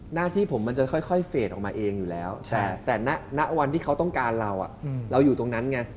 หน้าที่ผมมันจะค่อยเฟสออกมาเองอยู่แล้วแต่ณวันที่เขาต้องการเราเราอยู่ตรงนั้นไง